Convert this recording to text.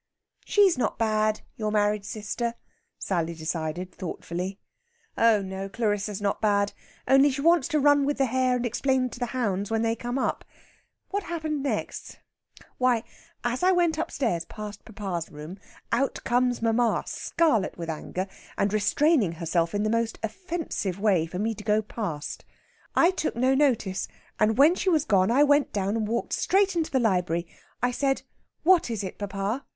"She's not bad, your married sister," Sally decided thoughtfully. "Oh no, Clarissa's not bad. Only she wants to run with the hare and explain to the hounds when they come up.... What happened next? Why, as I went upstairs past papa's room, out comes mamma scarlet with anger, and restraining herself in the most offensive way for me to go past. I took no notice, and when she was gone I went down and walked straight into the library. I said, 'What is it, papa?'